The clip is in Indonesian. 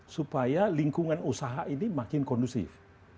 supaya lingkungan usaha ini makin kondusif